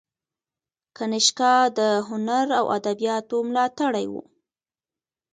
کنیشکا د هنر او ادبیاتو ملاتړی و